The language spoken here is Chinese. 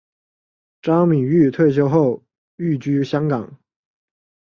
张敏钰退休后寓居香港。